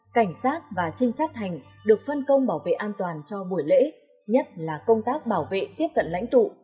cảnh sát và trinh sát thành được phân công bảo vệ an toàn cho buổi lễ nhất là công tác bảo vệ tiếp cận lãnh tụ